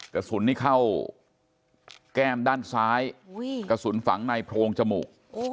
กระสุนนี่เข้าแก้มด้านซ้ายกระสุนฝังในโพรงจมูก